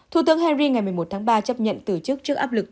thủ tướng henry ngày một mươi một tháng ba chấp nhận từ chức trước áp lực